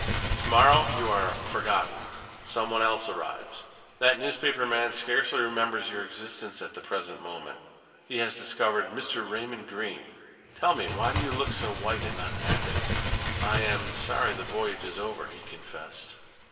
To morrow you are forgotten some one else arrives. That newspaper man scarcely remembers your existence at the present moment. He has discovered Mr. Raymond Greene.... Tell me, why do you look so white and unhappy?" "I am sorry the voyage is over," he confessed.